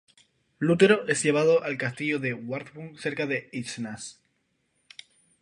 Lutero es llevado al castillo de Wartburg cerca de Eisenach.